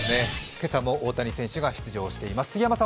今朝も大谷選手が出場しています。